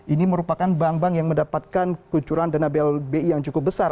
ini merupakan bank bank yang mendapatkan kucuran dana blbi yang cukup besar